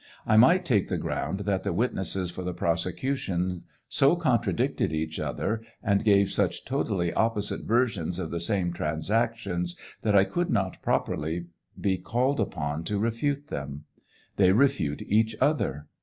I might take the ground that the witnesses for the prosecution so contradicted each other and gave such totally opposite versions of the same transactions that I could not properly be called upon to refute them. They refute each other.